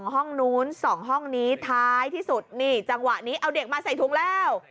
ห้องนู้น๒ห้องนี้ท้ายที่สุดนี่จังหวะนี้เอาเด็กมาใส่ถุงแล้ว